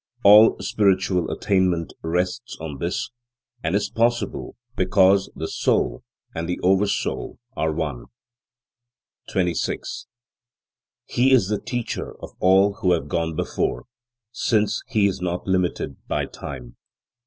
All spiritual attainment rests on this, and is possible because the soul and the Oversoul are One. 26. He is the Teacher of all who have gone before, since he is not limited by Time.